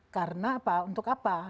karena apa untuk apa